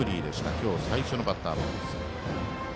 今日最初のバッターボックス。